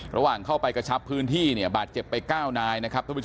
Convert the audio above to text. ระหว่างเข้าไปกระชับพื้นที่บาทเจ็บไป๙นาย